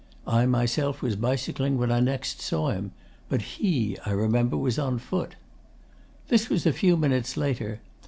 I myself was bicycling when next I saw him; but he, I remember, was on foot. 'This was a few minutes later.